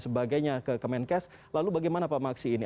sebagainya ke kemenkes lalu bagaimana pak maksi ini